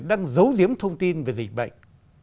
đang giấu giếm thông tin về dịch bệnh